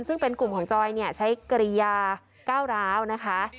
ซึ่งเป็นกลุ่มของจอยเนี่ยใช้กริยาก้าวร้าวนะคะ